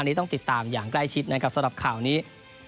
ต้องติดตามอย่างใกล้ชิดนะครับสำหรับข่าวนี้